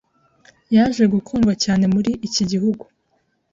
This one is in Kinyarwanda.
’ yaje gukundwa cyane muri iki gihugu